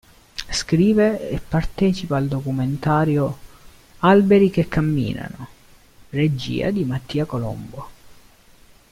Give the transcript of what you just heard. Scrive e partecipa al documentario "Alberi che camminano", regia di Mattia Colombo.